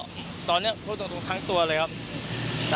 ตอนนี้พูดตรงทั้งตัวเลยครับ